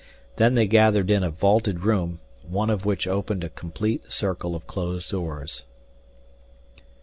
Then they gathered in a vaulted room, one of which opened a complete circle of closed doors.